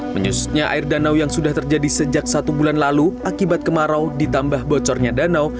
menyusutnya air danau yang sudah terjadi sejak satu bulan lalu akibat kemarau ditambah bocornya danau